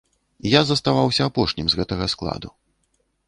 Я заставаўся апошнім з гэтага складу.